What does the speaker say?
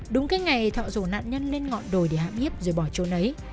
đúng cái ngày thọ rủ nạn nhân lên ngọn đồi để hãm hiếp rồi bỏ chôn ấy